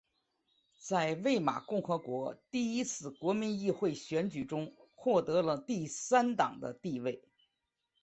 在魏玛共和国第一次国民议会选举中获得了第三党的地位。